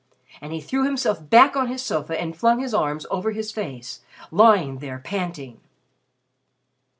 And he threw himself back on his sofa and flung his arms over his face, lying there panting.